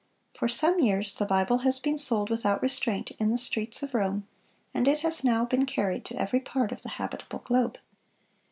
For some years the Bible has been sold without restraint in the streets of Rome, and it has now been carried to every part of the habitable globe.